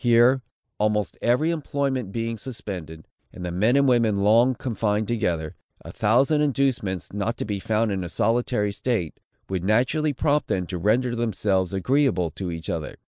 Here, almost every employment being suspended, and the men and women long confined together, a thousand inducements, not to be found in a solitary state, would naturally prompt them to render themselves agreeable to each other.